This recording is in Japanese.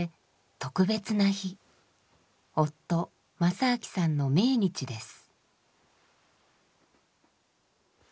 夫・正明さんの命日です。